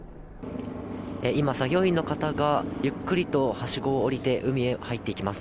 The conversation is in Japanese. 今、作業員の方がゆっくりとはしごを下りて、海へ入っていきます。